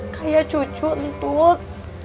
kayak cucu entut